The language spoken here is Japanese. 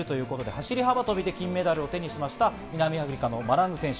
走幅跳で金メダルを手にした南アフリカのマラング選手。